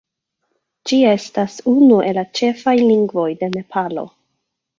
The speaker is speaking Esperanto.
Ĝi estas unu el la ĉefaj lingvoj de Nepalo.